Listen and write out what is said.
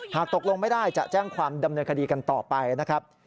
หากตกลงไม่ได้จะแจ้งความดำเนินคดีกันต่อไปนะครับ